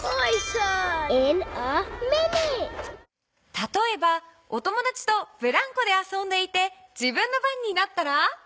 たとえばおともだちとブランコであそんでいて自分の番になったら？